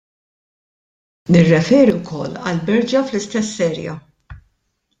Nirriferi wkoll għall-berġa fl-istess area.